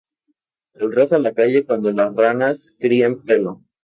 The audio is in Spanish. Saldrás a la calle cuando las ranas críen pelo